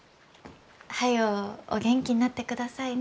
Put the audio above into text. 早うお元気になってくださいね。